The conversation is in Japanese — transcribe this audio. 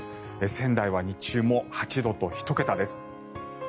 仙台は日中も８度と１桁です。